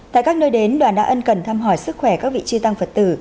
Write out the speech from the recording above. tại các nơi đến đoàn đã ân cần thăm hỏi sức khỏe các vị chi tăng phật tử